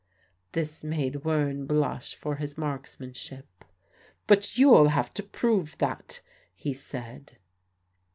This made Wearne blush for his marksmanship. "But you'll have to prove that," he said.